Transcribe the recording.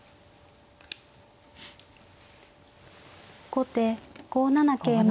後手５七桂馬。